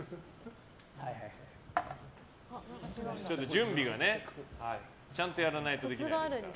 準備がね、ちゃんとやらないとできないから。